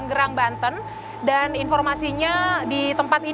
pakapak jatuh ditahan terkamping dierm chairs mendatang